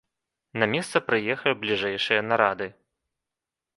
На месца прыехалі бліжэйшыя нарады.